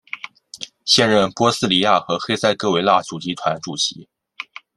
现任波斯尼亚和黑塞哥维那主席团主席。